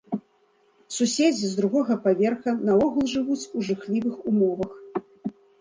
Суседзі з другога паверха наогул жывуць у жахлівых умовах.